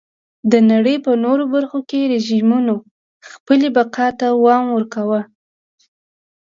د نړۍ په نورو برخو کې رژیمونو خپلې بقا ته دوام ورکاوه.